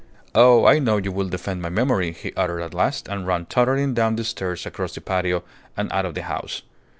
"Oh, I know you will defend my memory," he uttered at last, and ran tottering down the stairs across the patio, and out of the house.